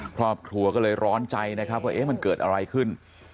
ครอบครัวก็เลยร้อนใจนะครับว่ามันเกิดอะไรขึ้น